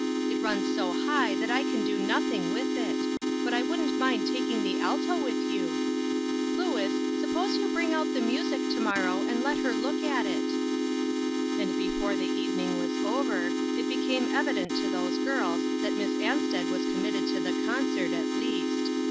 It runs so high that I can do nothing with it ; but I wouldn't mind taking the alto with you. Louis, sup pose you bring out the music to morrow, and let her look at it." And before the evening was over, it be came evident to those girls that Miss An sted was committed to the concert, at least.